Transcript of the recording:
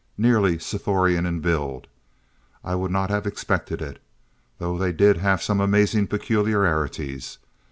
Nearly Sthorian in build. I would not have expected it. Though they did have some amazing peculiarities!